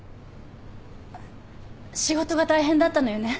仕事が大変だったのよね？